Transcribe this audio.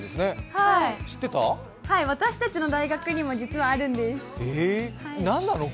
はい、私たちの大学にも実はあるんです。